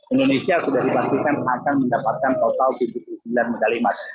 indonesia sudah dipastikan akan mendapatkan total tujuh puluh sembilan medali emas